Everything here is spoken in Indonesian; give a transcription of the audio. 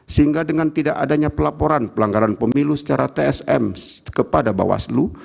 sehingga dengan tidak adanya pelaporan pelanggaran pemilu secara tsm kepada bawaslu